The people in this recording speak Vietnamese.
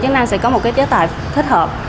chức năng sẽ có một cái chế tài thích hợp